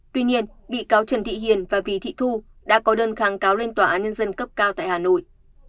tuy nhiên bị cáo trần thị hiền và vì thị thu đã có đơn kháng cáo lên tòa án nhân dân cấp cao tại hà nội